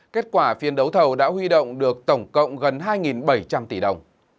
kết quả phiên đấu thầu đã huy động được tổng cộng gần hai bảy trăm linh tỷ đồng